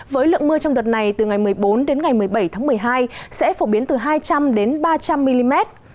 với lượng mưa trong đợt này từ ngày một mươi bốn đến ngày một mươi bảy tháng một mươi hai sẽ phổ biến từ hai trăm linh ba trăm linh mm